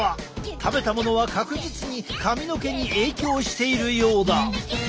食べたものは確実に髪の毛に影響しているようだ！